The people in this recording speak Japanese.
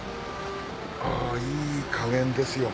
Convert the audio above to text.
いい加減ですよ。